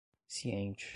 ciente